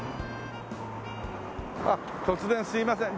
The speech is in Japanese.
あっ突然すいません。